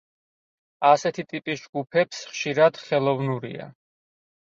ასეთი ტიპის ჯგუფებს ხშირად ხელოვნურია.